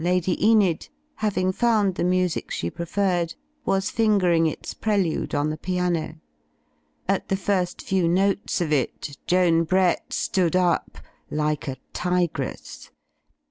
Lady Enid, hay ing fotmd the music she preferred, was fingering its prelude on the piano. At the first few notes of it, Joan Brett stood up, like a tigress.